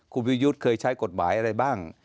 คุณวิยุทธ์เคยใช้กฎหมายอะไรบ้าง